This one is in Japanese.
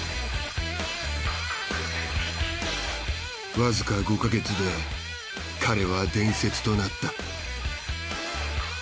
わずか５か月で彼は伝説となった。